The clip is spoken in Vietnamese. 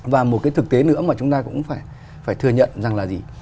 và một cái thực tế nữa mà chúng ta cũng phải thừa nhận rằng là gì